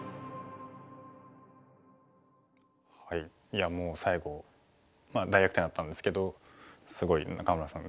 いやもう最後大逆転だったんですけどすごい仲邑さん